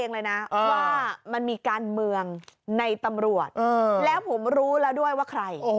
แล้วผมรู้แล้วด้วยว่าใคร